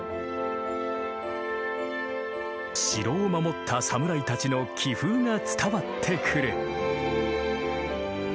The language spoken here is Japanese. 城を守った侍たちの気風が伝わってくる。